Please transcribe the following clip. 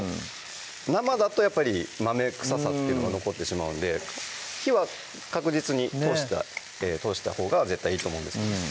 生だとやっぱり豆臭さっていうのが残ってしまうので火は確実に通したほうが絶対いいと思うんです